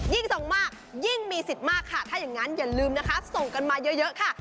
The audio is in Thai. ส่งมากยิ่งมีสิทธิ์มากค่ะถ้าอย่างนั้นอย่าลืมนะคะส่งกันมาเยอะค่ะ